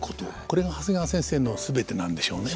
これが長谷川先生の全てなんでしょうね。